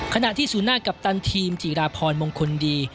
ขณะที่ศูนย์หน้ากัปตันทีมจีราพรมงคลดี